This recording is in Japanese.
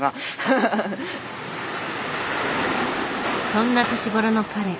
そんな年頃の彼。